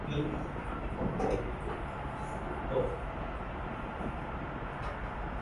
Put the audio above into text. His one wicket in test cricket was that of Geoffrey Boycott at Headingley.